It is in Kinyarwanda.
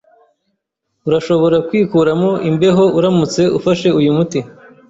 Urashobora kwikuramo imbeho uramutse ufashe uyu muti.